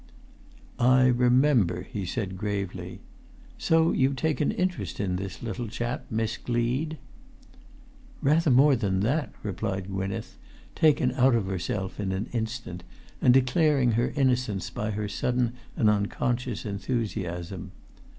"I remember," he said, gravely. "So you take an interest in this little chap, Miss Gleed?" "Rather more than that," replied Gwynneth, taken out of herself in an instant, and declaring her innocence by her sudden and unconscious enthusiasm.